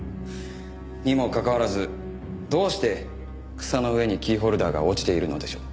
にもかかわらずどうして草の上にキーホルダーが落ちているのでしょう。